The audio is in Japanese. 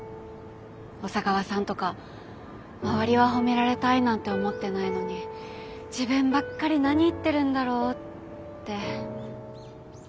小佐川さんとか周りは褒められたいなんて思ってないのに自分ばっかり何言ってるんだろうって。